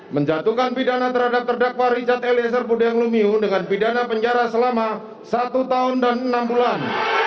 menjatuhkan pidana terhadap terdakwa richard eliezer budiang lumiu dengan pidana penjara selama satu tahun dan enam bulan